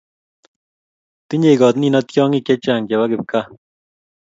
tinyei koot nino tyong'ik chechang' chebo kipgaa